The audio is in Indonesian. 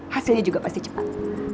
hasilnya juga pasti cepet